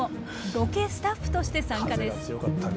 ロケスタッフとして参加です。